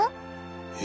え？